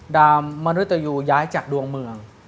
ดาวมริตยุย้ายจากดวงเมือง